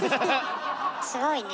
すごいね。